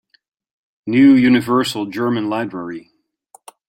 New Universal German Library.